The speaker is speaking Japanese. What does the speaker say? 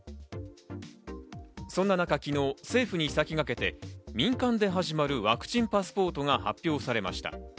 そんな中、昨日、政府に先駆けて民間で始まるワクチンパスポートが発表されました。